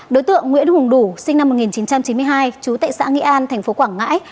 đối tượng nguyễn hùng đủ sinh năm một nghìn chín trăm chín mươi hai chú tại xã nghĩ an tp quảng ngãi